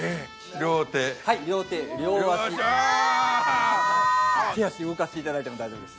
手足動かしていただいても大丈夫です。